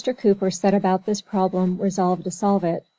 Cooper set about this problem resolved to solve it.